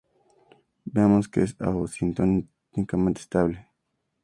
Veamos que es asintóticamente estable.